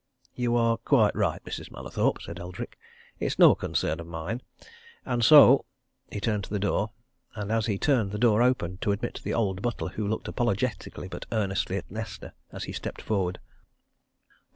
"You are quite right, Mrs. Mallathorpe," said Eldrick. "It is no concern of mine. And so " He turned to the door and as he turned the door opened, to admit the old butler who looked apologetically but earnestly at Nesta as he stepped forward.